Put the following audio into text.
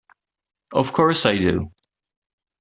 Of course I do!